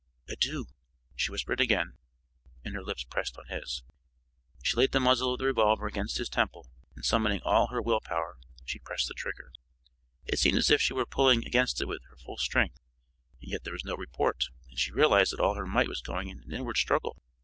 "Adieu!" she whispered again, and her lips pressed on his. She laid the muzzle of the revolver against his temple, and, summoning all her will power, she pressed the trigger. It seemed as if she were pulling against it with her full strength, and yet there was no report. Then she realized that all her might was going into an inward struggle.